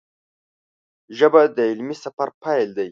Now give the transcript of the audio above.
ژبه د علمي سفر پیل دی